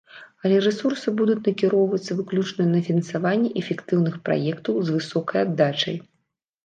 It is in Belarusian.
Але рэсурсы будуць накіроўвацца выключна на фінансаванне эфектыўных праектаў, з высокай аддачай.